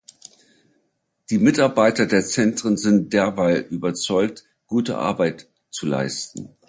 Die Mitarbeiter der Zentren sind derweil überzeugt, gute Arbeit zu leisten.